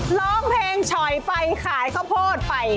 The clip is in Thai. ร้องเพลงฉ่อยไปขายข้าวโพดไป